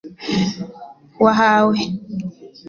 wahawe